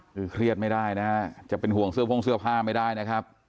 คือเครียดไม่ได้นะฮะจะเป็นห่วงเสื้อโพ่งเสื้อผ้าไม่ได้นะครับ